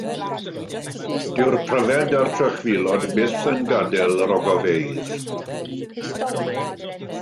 Dyw'r pryfed a'r trychfilod byth yn gadael yr ogofeydd.